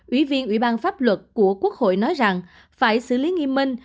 ủy viên ủy ban pháp luật của quốc hội nói rằng phải xử lý nghiêm minh